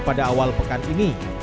pada awal pekan ini